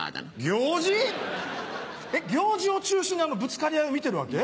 行司⁉行司を中心にぶつかり合いを見てるわけ？